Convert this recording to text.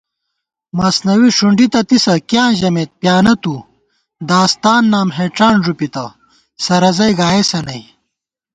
مثنَوی ݭُنڈِی تہ تِسہ، کِیاں ژَمېت پِیانہ تُو * داستان نام ہېڄان ݫُوپِتہ، سرَزَئی گائیسہ نئ